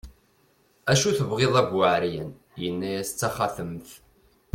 acu tebɣiḍ a bu ɛeryan, yenna-as d taxatemt